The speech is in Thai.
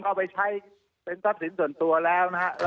เอาไปใช้เป็นทรัพย์สินส่วนตัวแล้วนะฮะ